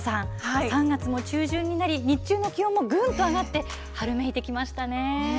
３月も中旬になって日中の気温もぐんと上がって春めいてきましたね。